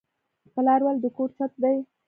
پلار ولې د کور چت دی؟